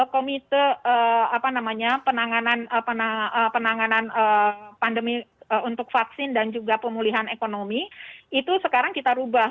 kebijakan memang ya komite penanganan pandemi untuk vaksin dan juga pemulihan ekonomi itu sekarang kita rubah